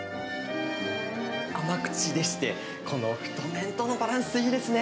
甘口でして、この太麺とのバランス、いいですね。